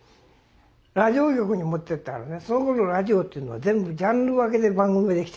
ラジオ局に持ってったらねそのころのラジオっていうのは全部ジャンル分けで番組ができてるわけ。